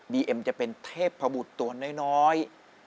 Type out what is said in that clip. เอ็มจะเป็นเทพบุตรตัวน้อย